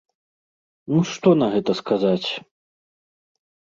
Ну, што на гэта сказаць?